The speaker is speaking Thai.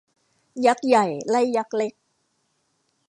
ยักษ์ใหญ่ ไล่ยักษ์เล็ก